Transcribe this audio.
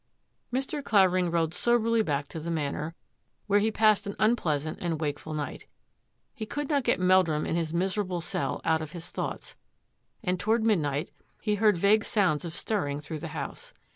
Mr. Clavering rodfe soberly back to the Manor, where he passed an unpleasant and wakeful night. He could not get Meldrum in his miserable cell out of his thoughts, and toward midnight he heard vague sounds of stirring through the house.